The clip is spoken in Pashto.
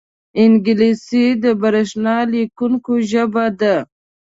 انګلیسي د برېښنا لیکونو ژبه ده